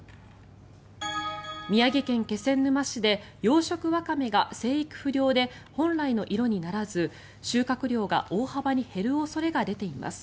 宮城県気仙沼市で養殖ワカメが生育不良で本来の色にならず収穫量が大幅に減る恐れが出ています。